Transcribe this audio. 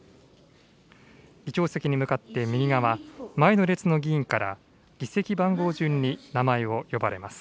議長席に向かって右側、前の列の議員から議席番号順に名前を呼ばれます。